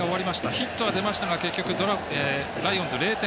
ヒットは出ましたが結局、ライオンズ０点。